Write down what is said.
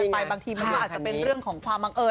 มันคงว่าจะเป็นเรื่องของ๐๐๑